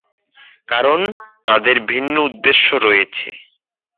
কারণ তাদের ভিন্ন উদ্দেশ্য রয়েছে।